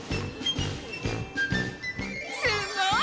すごい！